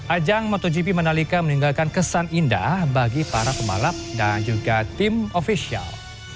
ajang motogp manalika meninggalkan kesan indah bagi para pembalap dan juga tim ofisial